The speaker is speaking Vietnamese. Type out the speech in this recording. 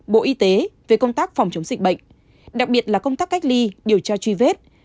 bộ y tế về công tác phòng chống dịch bệnh đặc biệt là công tác cách ly điều tra truy vết